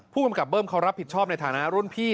ผู้กำกับเบิ้มเขารับผิดชอบในฐานะรุ่นพี่